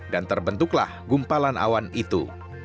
dan terbentuklah gumpalan awan itu